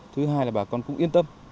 thứ hai là bà con cũng yên tâm